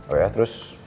oh iya terus